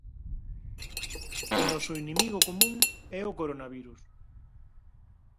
O noso inimigo común e o coronavirus.